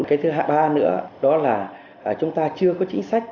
cái thứ hai nữa đó là chúng ta chưa có chính sách